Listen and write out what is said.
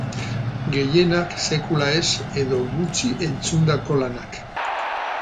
Gehienak sekula ez edo gutxi entzundako lanak.